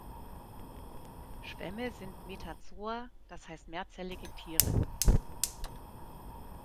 Schwämme sind Metazoa, das heißt mehrzellige Tiere.